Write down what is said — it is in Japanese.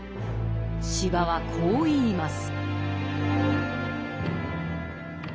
司馬はこう言います。